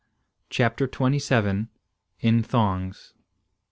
CHAPTER TWENTY SEVEN. IN THONGS.